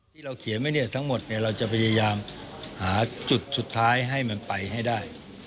ที่เราเขียนไว้เนี่ยทั้งหมดเราจะพยายามหาจุดสุดท้ายให้มันไปให้ได้